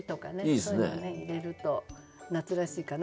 そういうのを入れると夏らしいかなと。